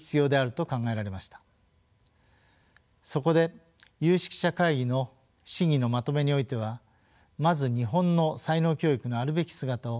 そこで有識者会議の審議のまとめにおいてはまず日本の才能教育のあるべき姿を示しました。